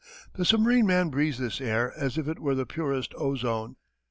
The submarine man breathes this air as if it were the purest ozone.